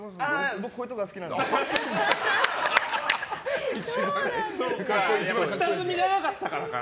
僕、こういうところが好きなのでって。